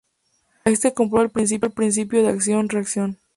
Así se comprueba el principio de acción-reacción.